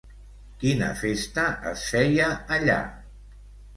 Quina festa es feia allà?